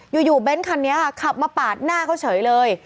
อยู่เบ้นคันนี้ค่ะขับมาปาดหน้าเขาเฉยเลย